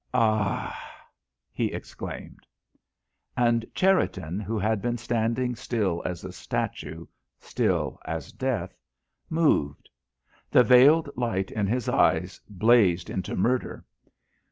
"A h h," he exclaimed. And Cherriton, who had been standing still as a statue, still as death, moved. The veiled light in his eyes blazed into murder.